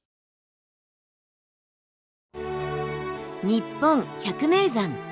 「にっぽん百名山」。